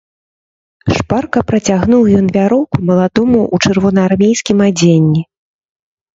Шпарка працягнуў ён вяроўку маладому ў чырвонаармейскім адзенні.